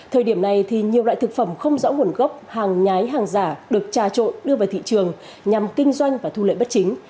thời điểm này thì nhiều loại thực phẩm không rõ nguồn gốc hàng nhái hàng giả được trà trộn đưa vào thị trường nhằm kinh doanh và thu lợi bất chính